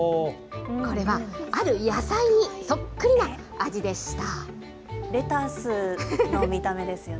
これは、ある野菜にそっくりな味でした。